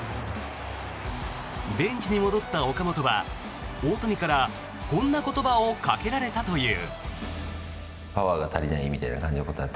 ベンチに戻った岡本は、大谷からこんな言葉をかけられたという。